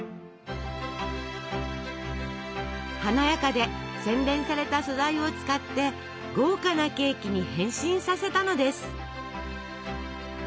華やかで洗練された素材を使って豪華なケーキに変身させたのです。